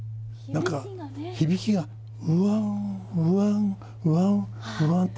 何か響きがうわんうわんうわんうわんって。